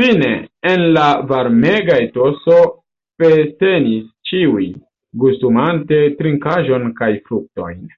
Fine, en la varmega etoso festenis ĉiuj, gustumante trinkaĵon kaj fruktojn.